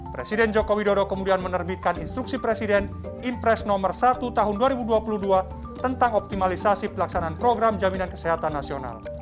presiden joko widodo kemudian menerbitkan instruksi presiden impres nomor satu tahun dua ribu dua puluh dua tentang optimalisasi pelaksanaan program jaminan kesehatan nasional